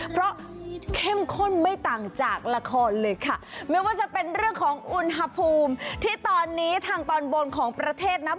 เพราะเข้มข้นไม่ต่างจากละครเลยค่ะไม่ว่าจะเป็นเรื่องของอุณหภูมิที่ตอนนี้ทางตอนบนของประเทศนะ